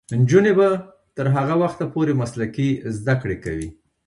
نجونې به تر هغه وخته پورې مسلکي زدکړې کوي.